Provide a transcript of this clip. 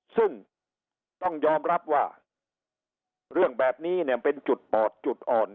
ซึ่งต้องยอมรับว่าเรื่องแบบนี้เนี่ยเป็นจุดปอดจุดอ่อน